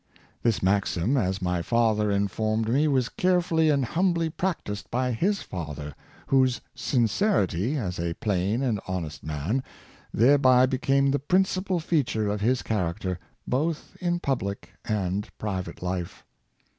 This maxim, as my father informed me, was carefully and humbly practiced by his father, whose sincerity, as a plain and honest man, thereby became the principal feature of his char acter, both in public and private life."